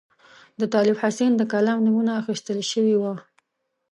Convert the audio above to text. د طالب حسین د کلام نمونه اخیستل شوې وه.